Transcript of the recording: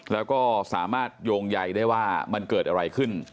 แล้วก็สามารถโยงใยได้ว่ามันเกิดอะไรขึ้น